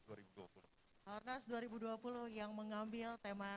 h o r n a s dua ribu dua puluh yang mengambil tema